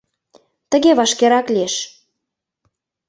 Тыге вашкерак лиеш.